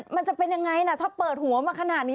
มันจะเป็นยังไงนะถ้าเปิดหัวมาขนาดนี้